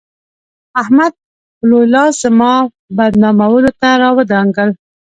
احمد به لوی لاس زما بدنامولو ته راودانګل.